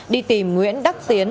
đi tìm nguyễn đắc tiến